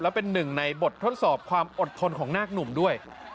และเป็นหนึ่งในบททดสอบความอดทนของนาคหนุ่มด้วย